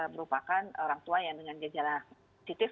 merupakan orang tua yang dengan kejala titis